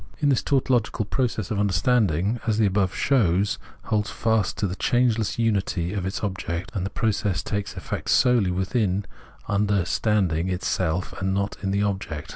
In this tautological process understandiug, as the above shows, holds fast to the changeless unity of its object, and the process takes effect solely within under standing itself, not in the object.